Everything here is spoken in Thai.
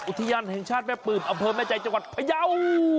อุทยานแห่งชาติแม่ปืบอำเภอแม่ใจจังหวัดพยาว